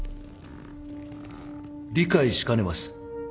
理解しかねます。